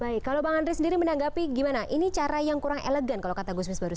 baik kalau bang andri sendiri menanggapi gimana ini cara yang kurang elegan kalau kata gusmis barus